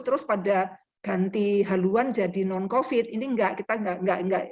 terus pada ganti haluan jadi non covid ini enggak kita enggak enggak enggak